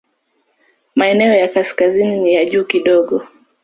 Maeneo ya kaskazini ni ya juu kidogo.